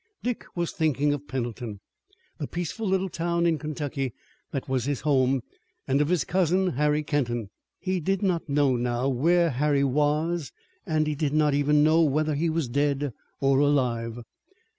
Dick was thinking of Pendleton, the peaceful little town in Kentucky that was his home, and of his cousin, Harry Kenton. He did not know now where Harry was, and he did not even know whether he was dead or alive.